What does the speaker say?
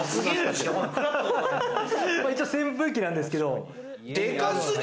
一応扇風機なんですけど。